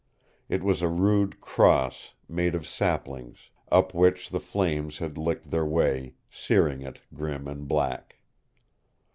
It was a rude cross made of saplings, up which the flames had licked their way, searing it grim and black.